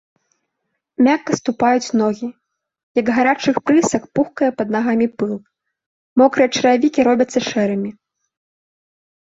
Мякка ступаюць ногі, як гарачы прысак пухкае пад нагамі пыл, мокрыя чаравікі робяцца шэрымі.